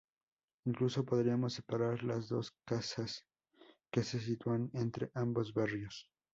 Incluso, podríamos separar las dos casas que se sitúan entre ambos barrios.